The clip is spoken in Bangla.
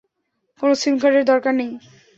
কোনো সিম কার্ডের দরকার নেই।